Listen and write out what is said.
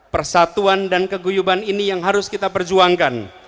persatuan dan keguyuban ini yang harus kita perjuangkan